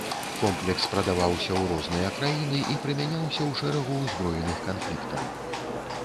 Комплекс прадаваўся у розныя краіны і прымяняўся ў шэрагу ўзброеных канфліктаў.